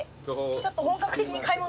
ちょっと本格的に買い物。